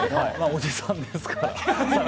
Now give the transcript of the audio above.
おじさんですから。